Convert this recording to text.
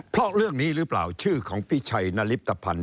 เพราะเรื่องนี้หรือเปล่าชื่อของพิชัยนริปตภัณฑ